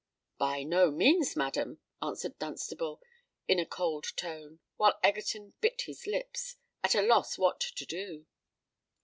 "By no means, madam," answered Dunstable, in a cold tone; while Egerton bit his lips—at a loss what to do.